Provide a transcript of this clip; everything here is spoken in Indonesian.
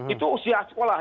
itu usia sekolah